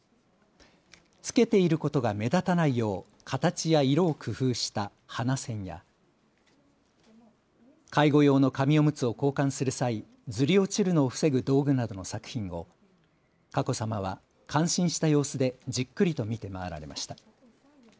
着けていることが目立たないよう形や色を工夫した鼻栓や介護用の紙おむつを交換する際、ずり落ちるのを防ぐ道具などの作品を佳子さまは感心した様子でじっくりと見て回られました。